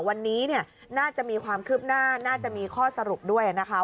วันนี้เนี่ยน่าจะมีความคืบหน้าน่าจะมีข้อสรุปด้วยนะคะ